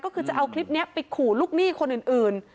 ก็คือจะเอาคลิปนี้ไปขู่ลูกหนี้คนอื่น